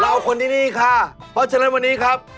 คนที่นี่ค่ะเพราะฉะนั้นวันนี้ครับ